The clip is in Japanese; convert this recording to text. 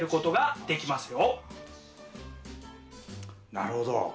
なるほど。